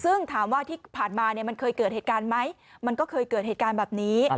ซึ่งถามว่าที่ผ่านมามันเคยเกิดเหตุการณ์ไหมมันก็เคยเกิดเหตุการณ์แบบนี้